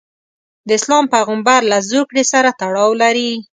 د اسلام پیغمبرله زوکړې سره تړاو لري.